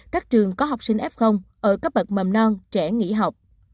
các trường có học sinh f ở cấp bậc mầm non trẻ nghỉ học